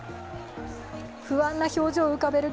不安な表情を浮かべる